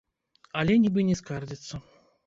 Але нібы не скардзіцца.